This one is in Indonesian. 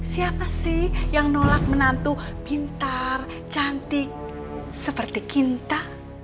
siapa sih yang nolak menantu pintar cantik seperti kita